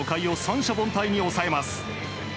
初回を三者凡退に抑えます。